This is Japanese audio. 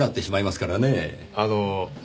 あの？